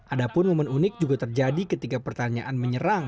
ada pun momen unik juga terjadi ketika pertanyaan menyerang